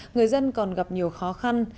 người dân còn gặp nhiều khó khăn